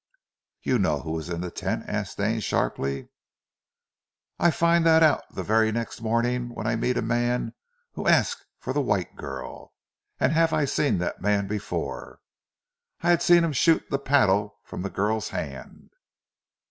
"You know who was in the tent?" asked Stane sharply. "I fin' dat out zee ver' next morning, when I meet a man who ask for zee white girl. Ah I haf seen dat man b'fore. I see heem shoot zee paddle from zee girl's hand